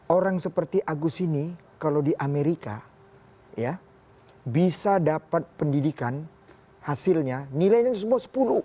orang seperti agus ini kalau di amerika ya bisa dapat pendidikan hasilnya nilainya semua sepuluh